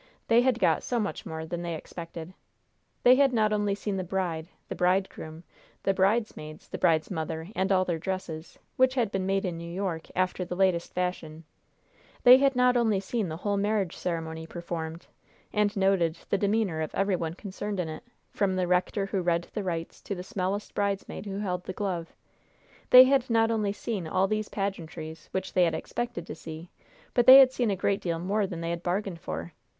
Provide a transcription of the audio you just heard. They had got so much more than they expected! They had not only seen the bride, the bridegroom, the bridesmaids, the bride's mother, and all their dresses, which had been made in New York, after the latest fashion; they had not only seen the whole marriage ceremony performed, and noted the demeanor of every one concerned in it, from the rector who read the rites to the smallest bridesmaid who held the glove; they had not only seen all these pageantries which they had expected to see, but they had seen a great deal more than they had bargained for.